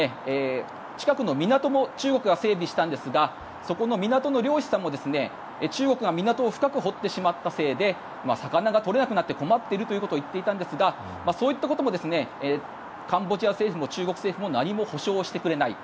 あとは近くの港も中国が整備したんですがそこの港の漁師さんも中国が港を深く掘ってしまったせいで魚が取れなくなって困っているということを言っていたんですがそういったこともカンボジア政府も中国政府も何も補償してくれない。